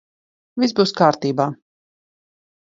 Viss būs kārtībā.